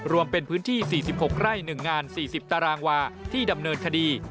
รวมเป็นพื้นที่๔๖ไร่๑งาน๔๐ตารางวาที่ดำเนินคดี